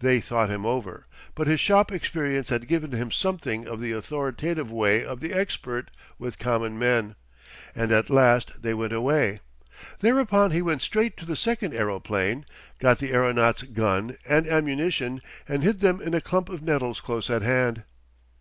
They thought him over, but his shop experience had given him something of the authoritative way of the expert with common men. And at last they went away. Thereupon he went straight to the second aeroplane, got the aeronaut's gun and ammunition and hid them in a clump of nettles close at hand.